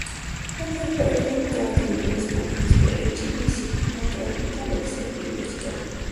საქართველოს დემოკრატიული რესპუბლიკის პერიოდში მისი ფოტოები და ლექსები იბეჭდებოდა.